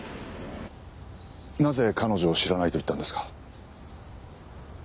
なぜ彼女を知らないと言ったんですか？